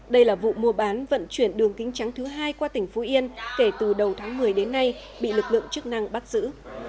đây là vụ mua bán vận chuyển đường kính trắng thứ hai qua tỉnh phú yên kể từ đầu tháng một mươi đến nay bị lực lượng chức năng bắt giữ